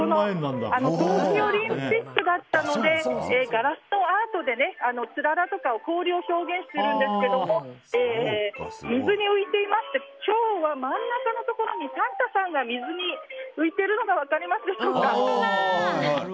冬季オリンピックだったのでガラスとアートで、つららとか氷を表現しているんですが今日は真ん中のところにサンタさんが水に浮いているのが分かりますでしょうか？